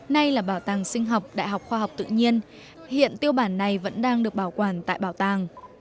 nay là bảo tàng sinh học đại học khoa học tự nhiên hiện tiêu bản này vẫn đang được bảo quản tại bảo tàng